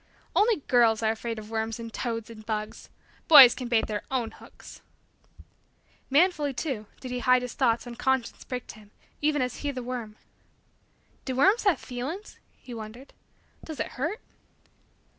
"Only girls are afraid of worms and toads and bugs. Boys can bait their own hooks." Manfully, too, did he hide his thoughts when conscience pricked him, even as he the worm. "Do worms have feelin's?" He wondered. "Does it hurt?"